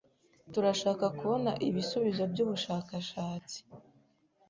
Turashaka kubona ibisubizo byubushakashatsi.